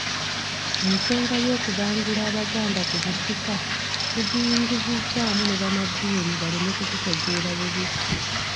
Ensonga y'okubangula Abaganda ku busika tugiyingizzaamu ne bannaddiini baleme kututegeera bubi.